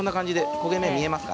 焦げ目が見えますか